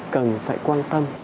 cần phải quan tâm